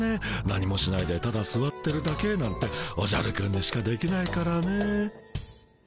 何もしないでただすわってるだけなんておじゃるくんにしかできないからね。